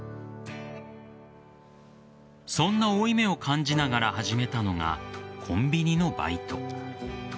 そんな負い目を感じながら始めたのがコンビニのバイト。